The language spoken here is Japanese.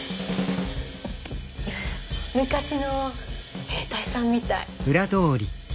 いや昔の兵隊さんみたい。